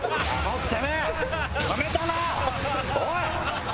おい！